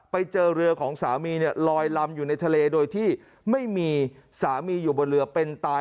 ไปเจอเรือของสามีเนี่ยลอยลำอยู่ในทะเลโดยที่ไม่มีสามีอยู่บนเรือเป็นตาย